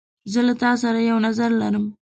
زه له تا سره یو نظر لرم.